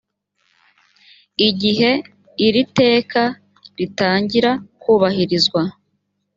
igihe iri iteka ritangira kubahirizwa